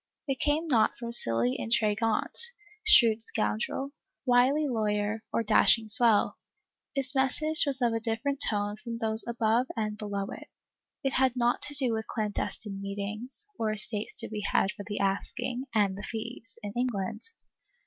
It came not from silly intriguante, shrewd scoundrel, wily lawyer or dash ing swell. Its message was of a different tone from those above and below it. It had naught to do with clandestine meetings, or estates to be had for the asking (and the fees), in England.